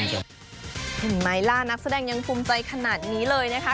เห็นไหมล่ะนักแสดงยังภูมิใจขนาดนี้เลยนะคะ